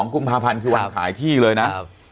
กุมภาพันธ์คือวันขายที่เลยนะ